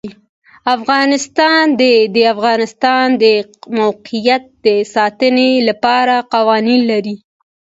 افغانستان د د افغانستان د موقعیت د ساتنې لپاره قوانین لري.